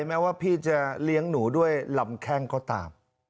แม้ว่าพี่จะเลี้ยงหนูด้วยลำแข้งก็ตาม